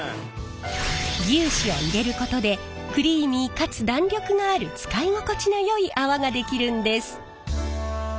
牛脂を入れることでクリーミーかつ弾力がある使い心地のよい泡ができるんです。